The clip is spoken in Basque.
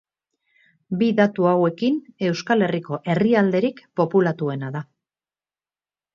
Bi datu hauekin Euskal Herriko herrialderik populatuena da.